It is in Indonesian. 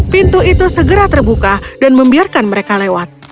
pintu itu segera terbuka dan membiarkan mereka lewat